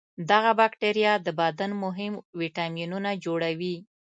دغه بکتریا د بدن مهم ویتامینونه جوړوي.